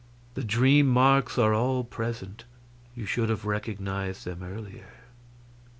The dream marks are all present; you should have recognized them earlier.